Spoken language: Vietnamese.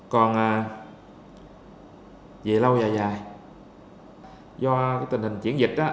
còn về lâu dài dài do cái tình hình chuyển dịch